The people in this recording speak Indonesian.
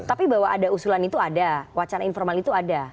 tapi bahwa ada usulan itu ada wacana informal itu ada